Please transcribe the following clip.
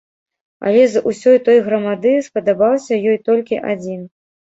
Але з усёй той грамады спадабаўся ёй толькі адзін.